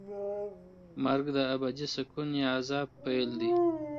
مرګ د ابدي سکون یا عذاب پیل دی.